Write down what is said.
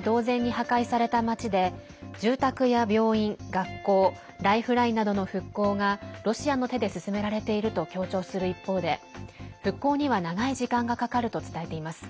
同然に破壊された町で住宅や病院、学校ライフラインなどの復興がロシアの手で進められていると強調する一方で復興には長い時間がかかると伝えています。